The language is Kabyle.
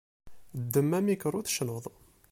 Ddem amikru, tecnuḍ.